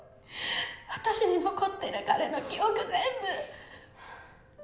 私に残ってる彼の記憶全部。